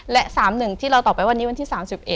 และ๓๑ที่เราตอบไปวันนี้วันที่๓๑